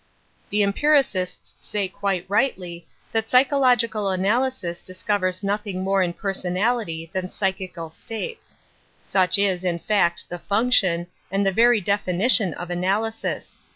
The empiricists say quite rightly that psychologi<ral analysis discovers nothing more in personality than paychical states. Such is, in fact, the function, and the very definition of analysis.